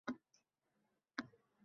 Tong yorug`lashib borardi